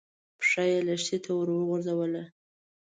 پښه يې لښتي ته ور وغځوله.